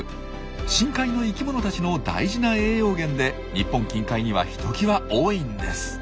深海の生きものたちの大事な栄養源で日本近海にはひときわ多いんです。